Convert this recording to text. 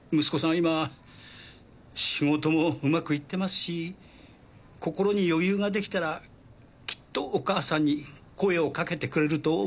今仕事もうまくいってますし心に余裕が出来たらきっとお母さんに声をかけてくれると思いますよ。